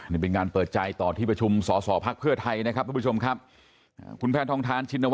ในการอยู่พักเพื่อไทยครับขอบคุณครับ